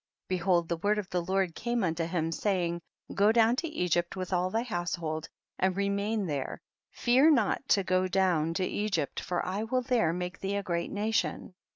Behold the word of the Lord came unto hirn, saying, go down lo Egypt with all thy household and re main there, fear not to go down to Egypt for I will there make thee a great nation.